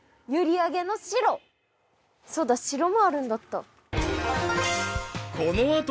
そうだシロもあるんだった。